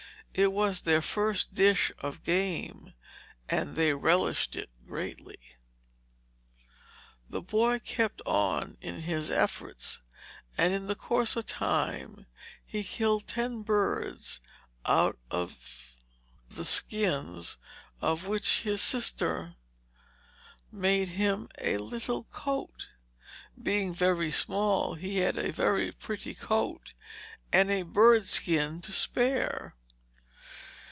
It was their first dish of game, and they relished it greatly. The boy kept on in his efforts, and in the course of time he killed ten birds out of the skins of which his sister made him a little coat. Being very small, he had a very pretty coat, and a bird skin to spare.